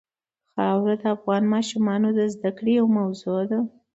خاوره د افغان ماشومانو د زده کړې یوه موضوع ده.